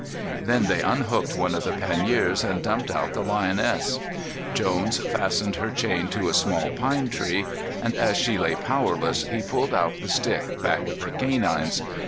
Then they unhooked one of the panniers and dumped out the lioness. Jones fastened her chain to a small pine tree, and as she lay powerless he pulled out the stick back of her canines.